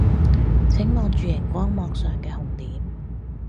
請望住螢光幕上嘅紅點